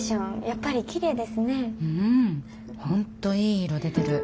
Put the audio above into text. うん本当いい色出てる。